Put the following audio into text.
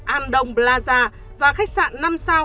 andong plaza và khách sạn năm sao